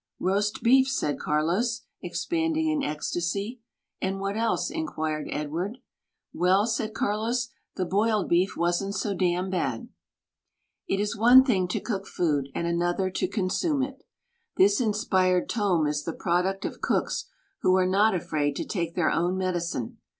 "Roast beef," said Carlos, expanding in ecstasy. "And what else?" inquired Edward. "Well," said Carlos, "the boiled beef wasn't so damned bad." It is one thing to cook food, and another to consume it. This inspired tome is the product of cooks who are not afraid to take their own medicine.